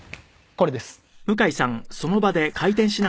これです。